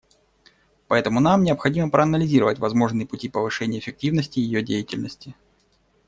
Поэтому нам необходимо проанализировать возможные пути повышения эффективности ее деятельности.